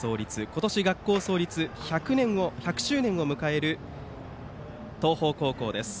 今年、学校創立１００周年を迎える東邦高校です。